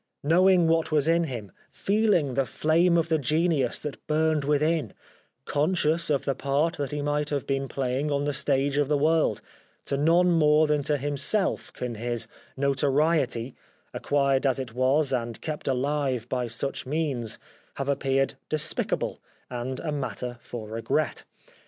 Knowing what was in him ; feeling the flame of the genius that burned within ; conscious of the part that he might have been playing on the stage of the world, to none more than to himself can his notoriety, acquired as it was and kept alive by such means, have appeared despic able and a matter for regret.